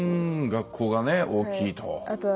「学校」がね大きいと。